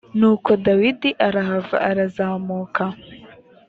nuko dawidi arahava arazamuka